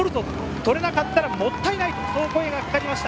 取れなかったらもったいないと声がかかりました。